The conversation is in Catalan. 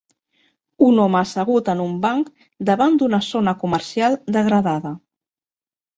Un home assegut en un banc davant d'una zona comercial degradada